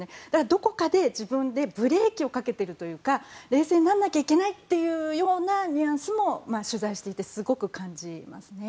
どこかで自分でブレーキをかけているというか冷静にならなきゃいけないというニュアンスも取材していてすごく感じますね。